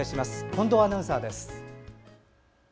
近藤アナウンサーです。